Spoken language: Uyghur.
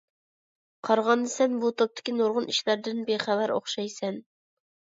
قارىغاندا سەن بۇ توپتىكى نۇرغۇن ئىشلاردىن بىخەۋەر ئوخشايسەن.